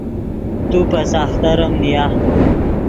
تو پے ساختریم نیا